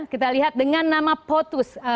kita lihat dengan nama potus